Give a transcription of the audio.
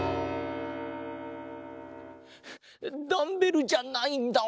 ダンベルじゃないんだわん。